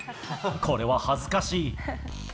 これは恥ずかしい。